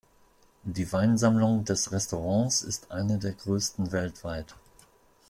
Die Weinsammlung des Restaurants ist eine der größten weltweit.